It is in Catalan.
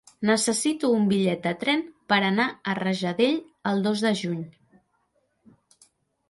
Necessito un bitllet de tren per anar a Rajadell el dos de juny.